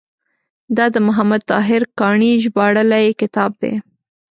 دا د محمد طاهر کاڼي ژباړلی کتاب دی.